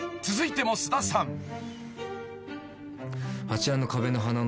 ［続いても菅田さん］